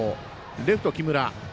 レフトの木村。